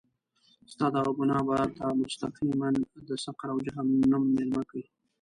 ستا دغه ګناه به تا مستقیماً د سقر او جهنم میلمه کړي.